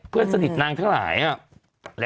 เพื่อนสนิทนางทั้งหลาย